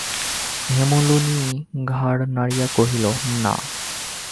হেমনলিনী ঘাড় নাড়িয়া কহিল, না।